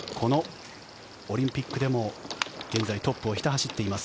このオリンピックでもトップをひた走っています。